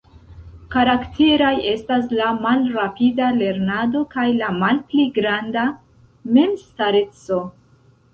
Karakteraj estas la malrapida lernado, kaj la malpli granda memstareco.